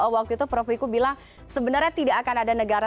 waktu itu prof wiku bilang sebenarnya tidak akan ada negara